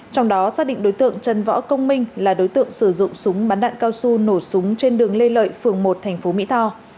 trong đó xác định đối tượng trần võ công minh là đối tượng sử dụng súng bắn đạn cao su nổ súng trên đường lê lợi phường một tp mỹ tho